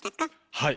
はい。